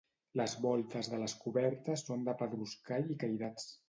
Les voltes de les cobertes són de pedruscall i cairats.